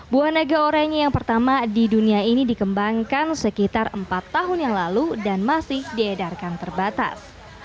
buah naga oranye yang pertama di dunia ini dikembangkan sekitar empat tahun yang lalu dan masih diedarkan terbatas